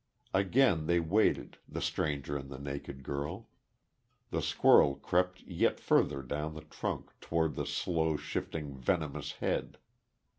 Again they waited, the stranger and the naked girl.... The squirrel crept yet further down the trunk, toward the slow shifting venomous head....